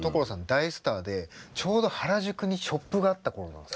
大スターでちょうど原宿にショップがあった頃なんです。